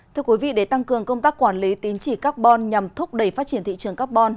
thưa quý vị để tăng cường công tác quản lý tín chỉ carbon nhằm thúc đẩy phát triển thị trường carbon